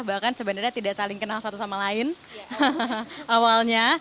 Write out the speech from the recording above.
bahkan sebenarnya tidak saling kenal satu sama lain awalnya